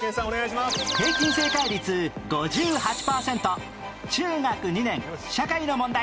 平均正解率５８パーセント中学２年社会の問題